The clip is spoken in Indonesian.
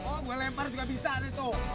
oh gue lempar juga bisa nih tuh